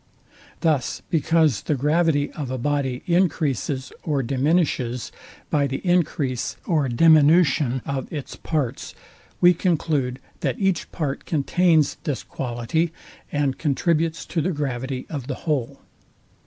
Thus, because the gravity of a body encreases or diminishes by the encrease or diminution of its parts, we conclude that each part contains this quality and contributes to the gravity of the whole.